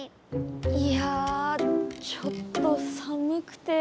いやちょっとさむくて。